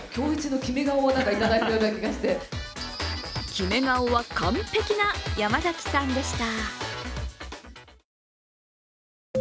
キメ顔は完璧な山崎さんでした。